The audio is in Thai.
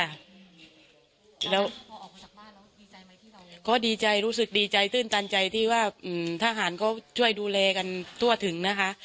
แล้วพอออกมาจากบ้านแล้วดีใจไหมที่เราก็ดีใจรู้สึกดีใจตื้นตันใจที่ว่าทหารเขาช่วยดูแลกันทั่วถึงนะคะ